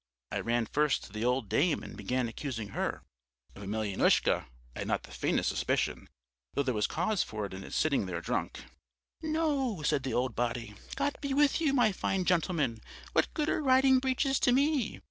I ran first to the old dame and began accusing her; of Emelyanoushka I'd not the faintest suspicion, though there was cause for it in his sitting there drunk. "'No,' said the old body, 'God be with you, my fine gentleman, what good are riding breeches to me?